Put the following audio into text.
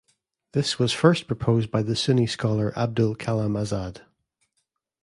This was first proposed by the Sunni scholar Abul Kalam Azad.